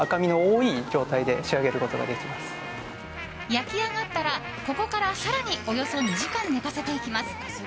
焼き上がったらここから更におよそ２時間、寝かせていきます。